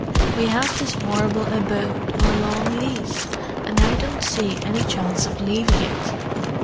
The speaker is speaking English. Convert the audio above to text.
"We have this horrible abode on a long lease, and I don't see any chance of leaving it."